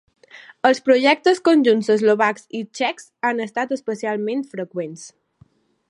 Els projectes conjunts eslovacs i txecs han estat especialment freqüents.